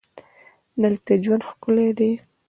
دلته ژوند ښکلی دی.